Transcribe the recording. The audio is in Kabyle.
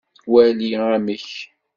Wali amek.